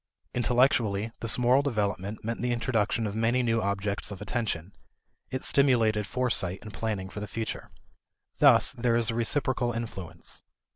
Intellectually, this moral development meant the introduction of many new objects of attention; it stimulated foresight and planning for the future. Thus there is a reciprocal influence.